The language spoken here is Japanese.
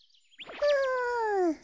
うん！